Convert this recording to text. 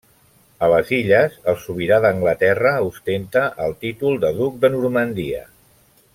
A les illes, el sobirà d'Anglaterra ostenta el títol de Duc de Normandia.